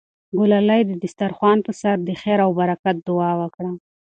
ګلالۍ د دسترخوان په سر د خیر او برکت دعا وکړه.